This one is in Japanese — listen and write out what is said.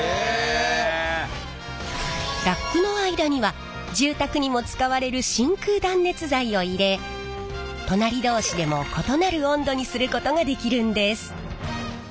ラックの間には住宅にも使われる真空断熱材を入れ隣同士でも異なる温度にすることができるんです。